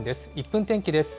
１分天気です。